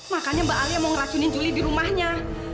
makanya mbak alia mau ngeracunin juli di rumahnya